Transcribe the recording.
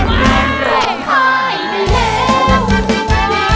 ร้องหายได้แล้ว